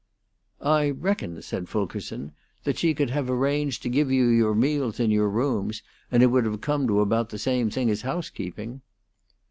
"I reckon," said Fulkerson, "that she could have arranged to give you your meals in your rooms, and it would have come to about the same thing as housekeeping."